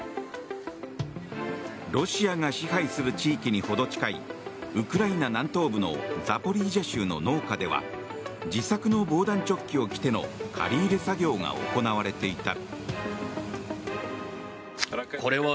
ロシアが支配する地域にほど近いウクライナ南東部のザポリージャ州の農家では自作の防弾チョッキを着ての刈り入れ作業が行われていた。